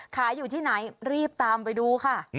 ขายอยู่ที่ไหนรีบตามไปดูค่ะ